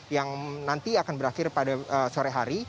yang nanti akan berakhir pada sore hari